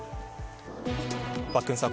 パックンさん